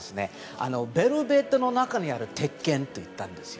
ベルベットの中にある鉄拳といったんです。